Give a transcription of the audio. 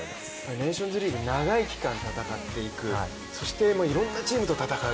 ネーションズリーグ長い期間戦っていく、そしていろんなチームと戦う。